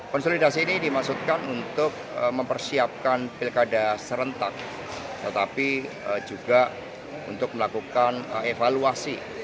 konsolidasi ini dimaksudkan untuk mempersiapkan pilkada serentak tetapi juga untuk melakukan evaluasi